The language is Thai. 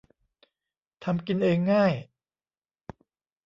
ทำกินเองง่าย